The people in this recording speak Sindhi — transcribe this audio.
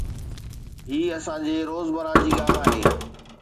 هي اسان جي روزمره جي ڳالهه آهي